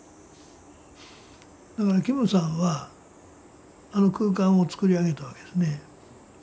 だから金さんはあの空間をつくり上げたわけですね。